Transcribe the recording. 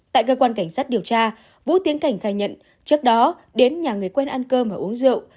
tại cơ quan cảnh sát điều tra vũ tiến cảnh khai nhận trước đó đến nhà người quen ăn cơm và uống rượu